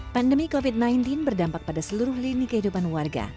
pandemi covid sembilan belas berdampak pada seluruh lini kehidupan warga